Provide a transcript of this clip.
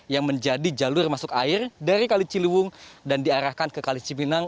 yang menjadi jalur masuk air dari kali ciliwung dan diarahkan ke kali cipinang